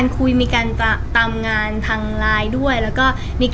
ต้นระยะเวลาในการต่ำลง๑ปีอะไรแบบนี้